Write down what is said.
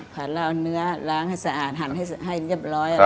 เราเอาเนื้อล้างให้สะอาดหั่นให้เรียบร้อย